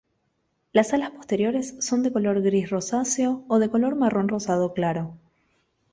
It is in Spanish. Las alas posteriores son de color gris rosáceo o de color marrón rosado claro.